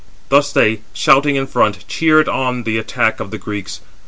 Thus they, shouting in front, cheered on the attack of the Greeks.